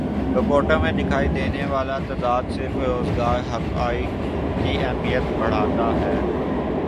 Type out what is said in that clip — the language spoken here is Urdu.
رپورٹوں میں دکھائی دینے والا تضاد صرف روزگار حقائق کی اہمیت بڑھاتا ہے